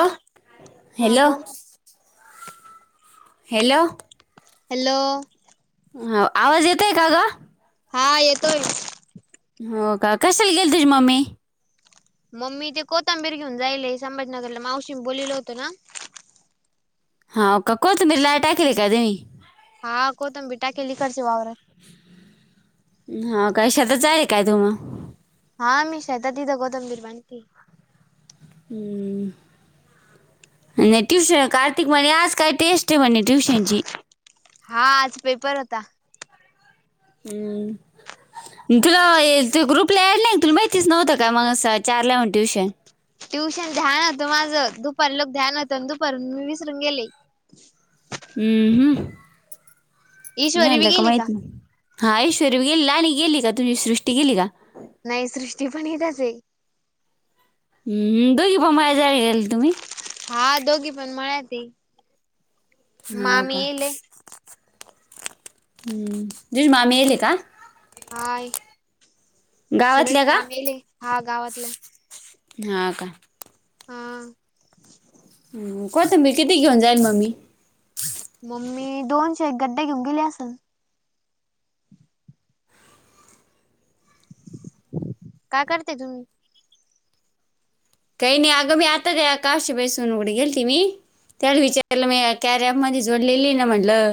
अं हा हॅलो! बोल hello! Hello! हा आवाज येतोय का ग? हा येतोय. हो का कशाला गेली तुझी मम्मी? मम्मी ते कोथंबीर घेऊन जायल संभाजीनगरला मावशींनी बोललेलं होतं ना. होव का कोथींबीर [unintelligible] हा कोथंबी टाकिली इकडच्या वावरात. हा कशाचा आहे काय तु म. हा मी शता [unintelligible] हम्म. आणि ट्यूशन कार्तिक म्हणे आज काय टेस्ट आहे म्हणे ट्यूशनची. हा आज पेपर होता. हम्म. तुला ती ग्रुपला एडला तुला माहितीच नव्हतं का मग चार लावण ट्युशन. ट्युशन ध्यान होतं माझं दुपार लोक ध्यान होतं आणि दुपार मी विसरून गेले. हम्म हम्, ईश्वरी बी मला का गेली माहित नाही. हा ऐश्वरय बी गेली, लाली गेली का? तुझी सृष्टी गेली का? नाही सृष्टी पण हितच आहे. ह् दोघी [unintelligible] जाय गेल तुम्ही. हा दोघी पण मळ्यातय. हाव का हम्म [unintelligible] माम्याल का? हाय गावातल्या सुरत का मामेले हा गावातला. हा का. हा. ह कोतंबीर किती घेऊन जाईल मम्मी? मम्मी दोनशे एक गड्डे घेऊन गेली असल. का करते तुम्ही? काही नाही अगं मी आता ग [unintelligible] बेसून सोनू कड गेलती मी. त्याला विचारलं मी [unintelligible] मध्ये जोडलेलीय ना म्हटलं.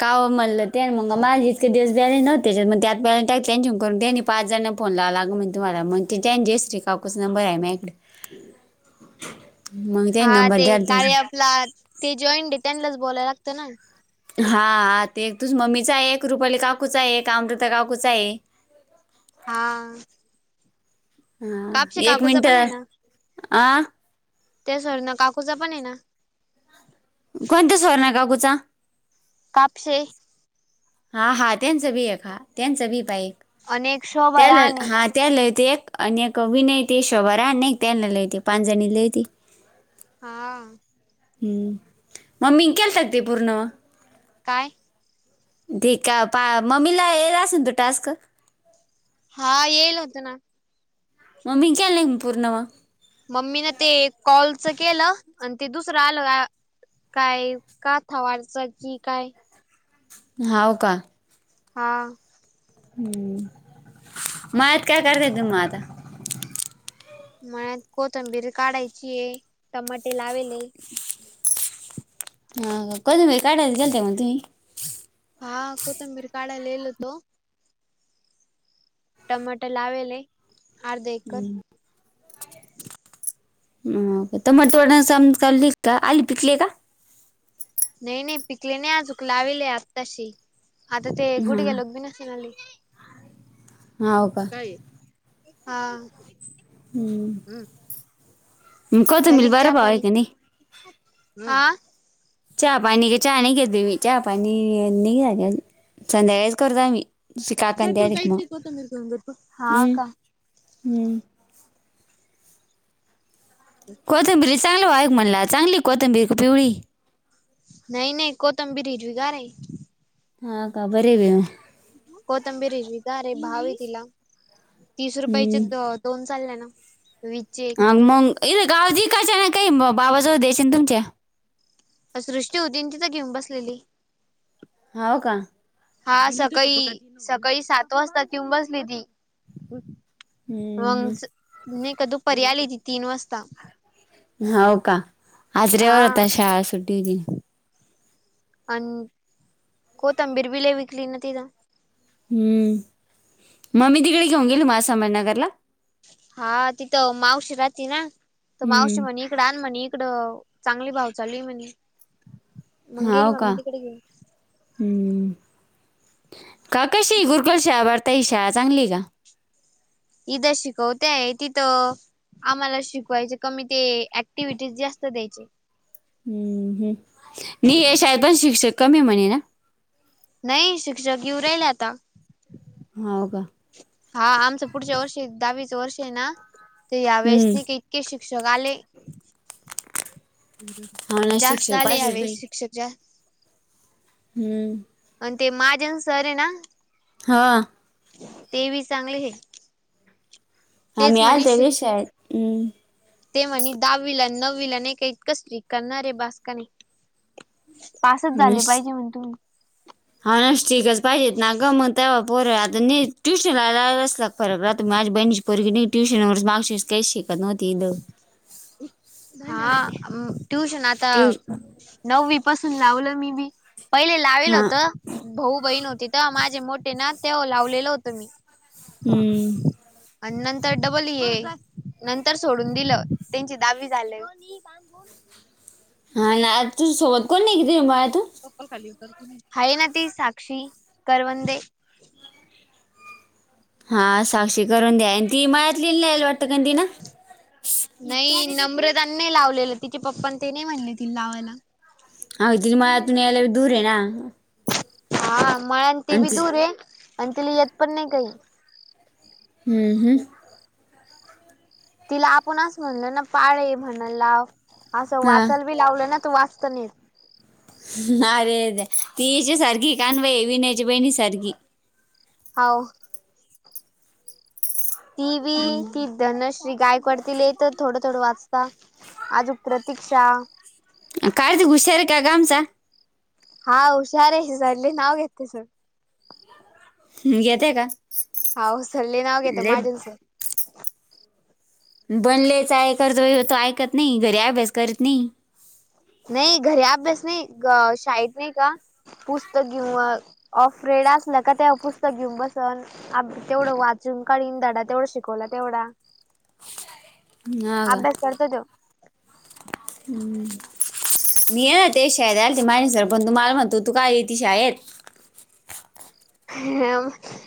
काव म्हणलं त्या अन् मग माझे [unintelligible] पाच जण फोन लावला. अगं म्हणतो मला म्हणती त्यांच्या काकुच नंबर हाय मायाकडं. मग द्या नंबर द्याला तुमच. ला ते जॉईंट आहे त्यांनाच बोलाय लागतं ना. हा ते एक तूच मम्मीचा, ये एक रुपाली काकूचा, ये एक अमृता काकूचा ये. हा हा कापशी एक काकूचा पण आहे मिनटं ना. आ त्या सुवर्णा काकूचा पण आहे ना. कोणत्या सुवर्णा काकूचा? कापशे हा हा त्यांच भी एक हा त्याचा भी पा. एक अनेक शोभा त्याला राणे. हा त्यालय ते एक आणि एक विनय ते शोभारा एक त्याला लयत पाच जणी लय ती. हा हम्म, मगं मी केलता की पूर्ण काय? ठीक आ पहा. मम्मीला येईला आसन तो टास्क, हा येईल होत ना. मम्मी च झालं की नाही पूर्ण मगं. मम्मीन ते कॉलच केलं आणि ते दुसरं आलं काय. का ठावा अडचण करतो की काय. हाव का, हा हम्म. मळ्यात काय करता येत नाही. तुम्हांला आता मळ्यात कोथंबीरी काढायची आहे. टमाटे लावेले. हा कोथिंबीर काढायला गेलत्या मग तु्ही? हा कोथंबीर काढायला गेलतो. टमाट लावेल अर्धा एकर टमाट वडम चाली का आली पिकली आहे का. नाही नाही पिकले नाही आजुन लावेले आता. आता ते कुठं गेलो हा बी असे नाही आली. हां हो का हा हम् मग झाली कोथिंबीर का चहा बरं भाव आहे पाणी? का नाही हा, चहा- पाणी चहा घेत नाही. चहा नाही घेत बाई मी नाही नाही आल्यानं संध्याकाळीच करतो मी. हा हम् का हम् कोथंबीरी चांगलं वाढला म्हणला चांगली कोथंबीर का पिवळी नाही नाही कोथंबीर हिरवी गार हाय. हा का बर हो, कोथंबीरी हिरवी गार आहे. भाव आहे तिला तीस हम्म. रुपयाचे अ दोन चालले ना. वीस चे अ मग इथे गावाची कायची ना काही भावा जवळ द्यायची ना तुमच्या, सृष्टी होती तिथं घेऊन बसलेली. हो, का. हा सकाळी सकाळी सात वाजता ति येऊन बसली ती. मंग नाही का दुपारी आली ती तीन वाजता. हो का आज हा रविवार होता शाळा सुट्टी होती. आण कोथबीर बी लय विकली ना तिन. हम्म, मग मी तिकडे घेऊन गेले माझ्या संग नगरला. हा तिथं मावशी राहते ना त मावशी म्हणे, हम्म इकड आण म्हणे इकडं चांगली भाव चालली म्हणे. मग गेली हो का मम्मी तिकडे घेऊन. हम्म का कशी गुरुकुल शाळा? बरं ताई ही शाळा चांगली का? इद शिकवत्याय तिथं आम्हाला शिकवायचे कमी ते ऍक्टिव्हिटीज जास्त द्यायचे. हम्म हम्म मी हे शाळेत पण शिक्षक कमी म्हणे ना? नाही शिक्षक येऊ राहिले आता हो का, हा आमचं पुढच्या वर्षी दहावीच वर्ष आहे ना ते या वेळेस हम्म नाही काही की शिक्षका आले. हो ना जास्त शिक्षक आले ह्या पाहिजे वेळेस बाई शिक्षक जास्त हम्म. आणि ते महाजन सर आहेत ना.. हां ते बी चांगले हे हो मी तेच म्हणे आलते बी शिक शाळेत.. ते म्हणे दहावी ला नववी ला नाही का इतक स्ट्रिक्ट करणार आहे बास की नाही. पासच झाले नुस- पाहिजे म्हणे तुम्ही हा न स्ट्रिक्टच पाहिजेत ना, मगच तेव्हा पोर आता नीत ट्यूशनलाला रस् लाग फरक राहतो माझ्या बहिणीची पोरगी नाही ट्यूशनवरच मावशी काहीच शिकत नव्हती इद. हा ट्युशन आता ट्युश नववी पासून लावलं मी बी पहिले लावेल हा होत. भाऊ बहीण होती तर माझे मोठे ना ते लावलेलं होतं मी. हम्म. अनंतर डबल येे. नंतर सोडून दिलं त्यांची दहावी झालं. हा ना आ तू सोबत कोण नाही कती बाळ तू. हाय ना ती साक्षी करवंदे. हा साक्षी करवंदे आहे ना ती आणि ती मळ्यातलि जाला वाटतं का ती ना. नाही नम्रता नाही लावलेलं तिचे पप्पा ते नाही म्हणले ति लावायला. हाव तिला मळयांतून यायला पण दूर आहे ना. हा मळ आणि ते बी दूर आहे. आणि तिला येत पण नाही काही. हम्म हम्म. तिला आपण अस म्हणल ना पाळे म्हणल लाव असं हा वाचाल बी लावलं ना तू वाचत नाहीच येत. अरेरे तीची सारखी कान भी विण्याची बहीणी सारखी, हाव. तीभी ती धनश्री गायकवाड तीला येत थोडं थोडं वाच आजूक प्रती्क्षा कार्तिक हुशार आहे काय गं आमचा हा हुशार आहे सल्ले नाव घेतस. ह घेते का. हवं सल्ले नाव घेता ले महाजन सर. बनलेले चाळे करतो वग तो ऐकत नाही घरी अभ्यास करत नाही. नाही घरी अभ्यास नाही, ग शाळेत नाही का, पुस्तक घेऊन ऑफ रेड असला का ते पुस्तक घेऊन बसन. अ तेवढं वाचून काढीन धडा तेवढा शिकवला तेवढा. ह का अभ्यास करतो तो. हम्म. मी येणार ना ते शाळेत आल महाजन सर पण तो मला म्हणतो तू काय इति शाळेत.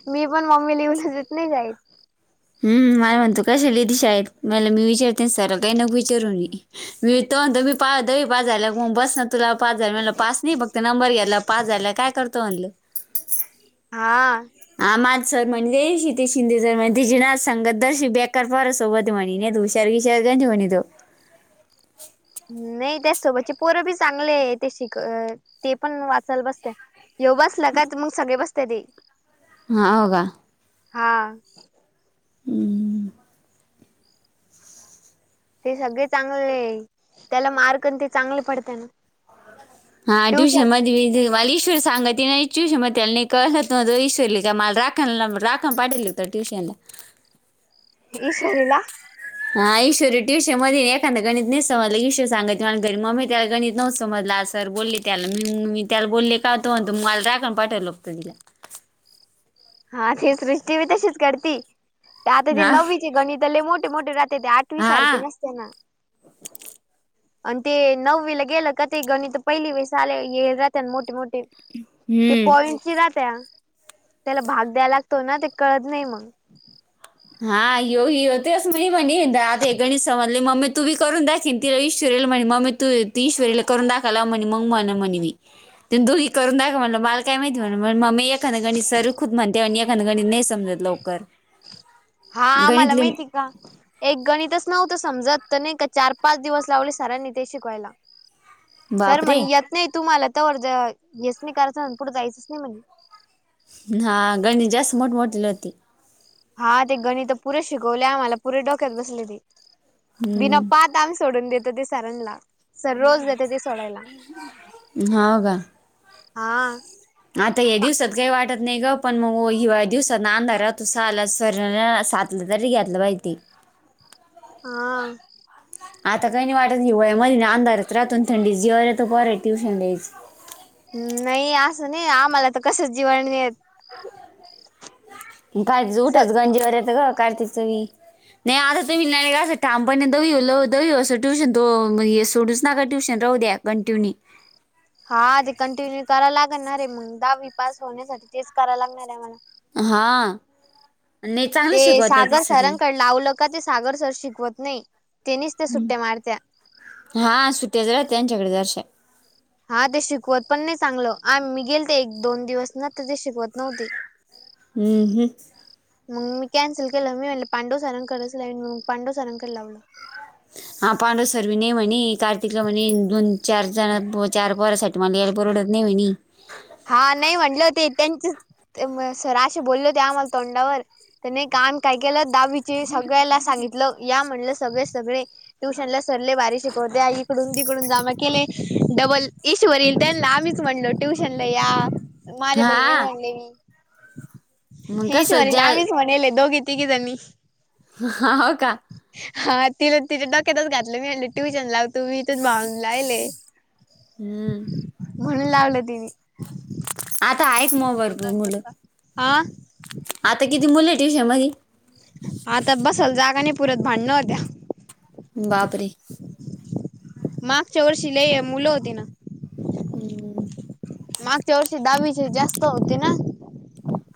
मी पण मम्मीला येऊन देत नाही शाळेत. हम् मला म्हणतो कशाला येती शाळेत मला मी विचारते सरला काही नको विचारून. मी तो तो म्हणतो मी दहावी पास घेऊन बसल. तुला पास झाल्या वर म्हलं पास नाही फक्त नंबर घ्याला पास झाला काय करतो म्हणलं. हा. हा माजसर म्हणजे श ते शिंदे सर म्हण तची नाच सांगत दर्श बेकार पोरा सोबत [unintelligible] मणी नाही हूषार विशार गंज हे म्हणी तो. [unintelligible] नाही त्याच सोबतचे पोरं बी चांगले ते शिक ते पण वाचायला बसत्या. यो बसला का मग सगळे बसते ते. ह हो का. हां. हम. ते सगळे चांगले त्याला मार्कण ते चांगले पडत ना. हा ट्युशन ट्यूशन मध्ये वालीस. ईश्वर सांगत त नाही ट्यूशन म त्याला कसत नतं ईश्वर लि त्या मला राखणला राखण पाठलं होत ट्यूशनला. [unintelligible] ईश्वरिला. हा ईश्वरर ट्युशन मध्ये एखादा गणित नाही समजलं ईश्र सांगत मला घरी मम्मी त्याला गणितं नवोत समजलं अस. सर बोलले त्याला मी मी त्याला बोलले का होतो म्हणतो मगला रागाण पाठवलंोतं तिला. हा ते सृष्टी बी तशीच करते तर आता ते हा नववीचे गणितले मोठे मोठे राहत्या. ते आठवी सारखे नसते ना. ह. [inaudible] आणि ते नऊ वि ला गेलं का ते गणित तर पहिली वेळेस आले राहत आणि मोठे मोठ ते हम्म पॉइंटची राहत्या त्याला भाग द्याय लागतो ना ते कळत नाही मग हा येो तेस म मनी ते गणे स [unintelligible] म्ह मम्मी तू बी करून दाखेन तिला ईश्वरयल म्हणे मम्मी तू ती ईश्वरीला करून दाखयला म्हणे मग म्हणे म्हणे मी ते दोघी करून दाख म्हणलं मला काय माहिती म्हण म मी एखाद गणित सरू खूद म्हणते आणि एखां गणीत नाही समजतते लवकर हा आम्हाला गणितले माहिती का एक गणितच नव्हतं समजत तर नाही का चार पाच दिवस लावले सरांनी ते शिकवायला सर बापरे म्हणे येत नाही तुम्हाला तर येस नाही कारच पुुढं जायचंच नाही म्हणे हा गणात जास्त मोठ मोठी होती हा ते गणित पुरे शिकवले आम्हाला पुरे डोक्यात बसले ते बिना हम्म पात आम्ही सोडून देतो ते सरांला सर रोज देतो ते सोडायला हो का हा आता या दिवसात काही वाटत नाही ग पण मग हि दिवसात अंधारा तुसा आला सर् सट. जरी यात्रा आहे ती हा. आता काही नाही वाटत हिवाळ्यामध अंधारत राहतून थंडी जे य तो पर आहे ट्यूशन येच. नाही असं नाही आम्हाला तर कस जीवण येत. काय येत उठच गंजीवर यच ग कार्त चवी. [unintelligible] नाही आता तुम्ही नाही नाही का असं ठामपणे देऊऊ ल देऊ असं ट्यूशन तो सोडूच नका ट्यूशन राहू द्या कंट्युनी हा ते कंटिन्यू कराय लागणार रे मग दहावी पास होण्यासाठी तेच कराव लागणार आहे आम्हाला हा नाही चांगले ते शिकवता आहे त सागर सगळी सरांकडे लावलं का ते सागर सर शिकवत नाही तेनीच त्या सुट्ट्या मारत्या हा सुट्याच राहते आमच्याकडे दर्शन हा ते शिकवत पण नाही चांगलं आन मी गेलते एक दोन दिवस न तर ते शिकवत नव्हते हम्म हम्म मग मी कॅन्सल केलं मी म्हणले पांडुसरांकडच मग पांडवसरांकड लावलं हा पांढू सर म्हणी नाही म्हणे कार्तिकला म्हणे दोन चार जण चार पोरासाठी तुम्हाला या परवडत नाही म्हणी हा नाही म्हटले होते त्यांचे सर असे बोलले होते आम्हाला तोंडावर त्याने कान काय केलं दहावीचे सगळ्याला सांगितलं या म्हटलं सगळे-सगळे ट्युशनला सोडले बारी शिकवतया इकडून तिकडून जमा केले डबल ईश्वर येईल त्यांना आम्हीच म्हणलो ट्युशनला या माझ्या बहिणीला हा म्हणले मी मग हेच कसं ज्या वरीला म्हणेले दोघी-तिघी जणी हा हो का? हा तिला तिच्या डोक्यातच घातलं मी म्हंटली ट्युशन लाव. तुम्ही इथच भावून लायले हम्म म्हणून लावलं तिने. ह आता आहेक मग भरपर मुलं. आं आता किती मुले आहे ट्यूशन मध्ये? आता बसायला जागा नाही पुरत भांडण होत्या. बापरे! मागच्या वर्षी लई मुलं होती ना हम्म. मागच्या वर्षी दहावीचे जास्त होते ना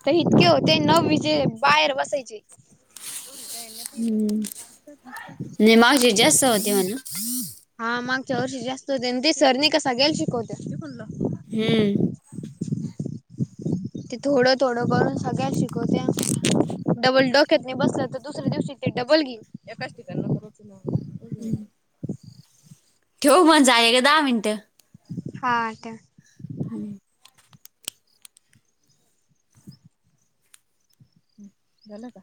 तर इतके होते न नवीचे बाहेर बसायचे. [inaudible] जे माझिन जास्त होते म्हणलं? हा मागच्या वर्षी जास्त होते आणि ते सरनी कसा गेयल शिकवते. हम्म. ते थोडं थोडं करून सगळ्या शिकवत्या डबल डोक्यात नाही बसलं तर दुसऱ्या दिवशी ते डबल घेईन. हम्म. ठेव म्हण जा आहे एक दहा मिनटं. हाट्या आणि झाला का?